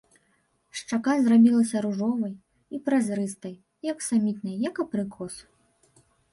Шчака зрабілася ружовай, і празрыстай, і аксамітнай, як абрыкос.